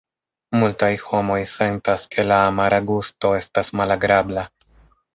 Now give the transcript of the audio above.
Multaj homoj sentas ke la amara gusto estas malagrabla.